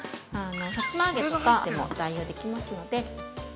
さつま揚げとかでも代用できますので。